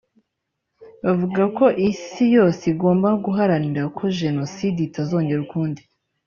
bavuga ko isi yose igomba guharanira ko Jenoside itazongera ukundi